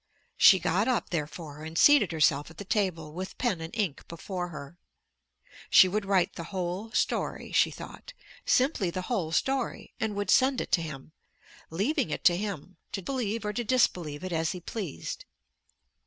She got up therefore and seated herself at the table with pen and ink before her. She would write the whole story, she thought, simply the whole story, and would send it to him, leaving it to him to believe or to disbelieve it as he pleased.